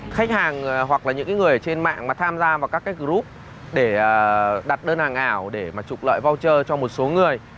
khách hàng hoặc là những người trên mạng mà tham gia vào các cái group để đặt đơn hàng ảo để trục lợi voucher cho một số người